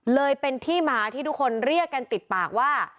เลยเป็นที่มาที่ทุกคนเรียกกันติดปากว่า